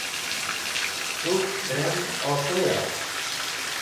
Tus̃h drem osoya